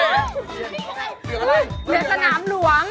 ดูอะไรเดี๋ยวสนำหลวง